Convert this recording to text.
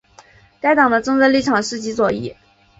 该党的政治立场是极左翼。